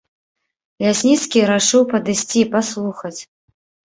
Лясніцкі рашыў падысці, паслухаць.